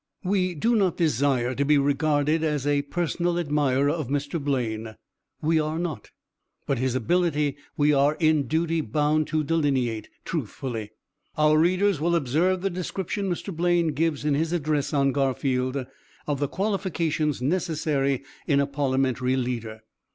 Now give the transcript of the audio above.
We do not desire to be regarded as a personal admirer of Mr. Blaine. We are not, but his ability we are in duty bound to delineate truthfully. Our readers will observe the description Mr. Blaine gives in his address on Garfield, of the qualifications necessary in a parliamentary leader.